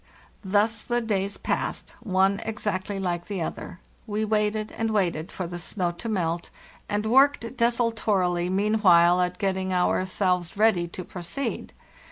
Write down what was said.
Thus the days passed by, one exactly like the other ; we waited and waited for the snow to melt, and worked desultorily meanwhile at getting ourselves ready to pro ceed.